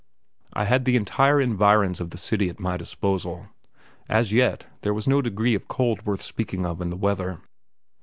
I had the entire environs of the city at my disposal; as yet, there was no degree of cold worth speaking of in the weather.